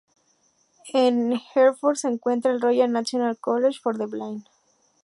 En Hereford se encuentra el Royal National College for the Blind.